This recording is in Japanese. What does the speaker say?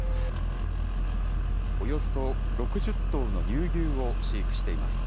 およそ６０頭の乳牛を飼育しています。